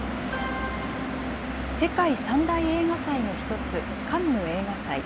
世界三大映画祭の一つ、カンヌ映画祭。